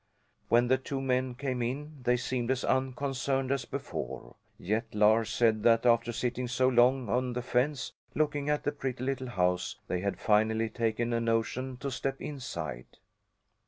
When the two men came in they seemed as unconcerned as before. Yet Lars said that after sitting so long on the fence looking at the pretty little house they had finally taken a notion to step inside.